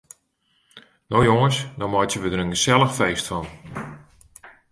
No jonges, no meitsje we der in gesellich feest fan.